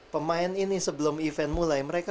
pemain ini sebelum event mulai mereka